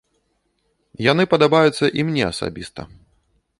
Яны падабаюцца і мне асабіста.